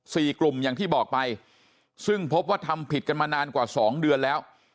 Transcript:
สี่กลุ่มอย่างที่บอกไปซึ่งพบว่าทำผิดกันมานานกว่าสองเดือนแล้ว